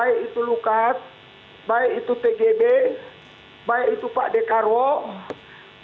dan kader kader vika apa lagi gubernur gubernur yang di katakan tindak on ada peneless